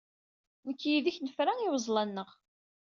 Nekk-yid-k nefra iweẓla-nneɣ.